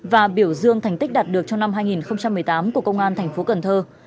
và biểu dương thành tích đạt được trong năm hai nghìn một mươi tám của công an thành phố cần thơ